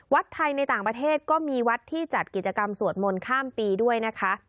วัดไทยในต่างประเทศก็มีวัดที่จัดกิจกรรมสวดมนต์ข้ามปีด้วยนะคะ